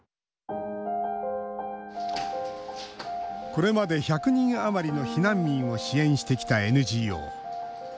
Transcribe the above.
これまで１００人余りの避難民を支援してきたＮＧＯ。